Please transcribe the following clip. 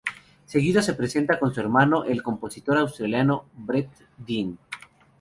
Seguido se presenta con su hermano, el compositor australiano Brett Dean.